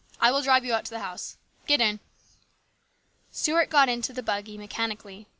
I will drive you out to the house. Get in." Stuart got into the buggy mechanically.